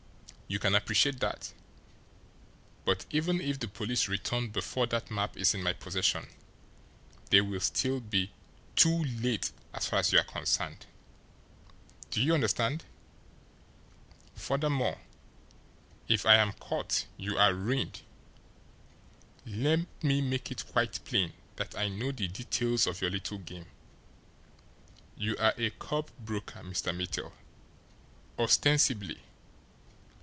You can appreciate that. But even if the police return before that map is in my possession, they will still be TOO LATE as far as you are concerned. Do you understand? Furthermore, if I am caught you are ruined. Let me make it quite plain that I know the details of your little game. You are a curb broker, Mr. Mittel ostensibly.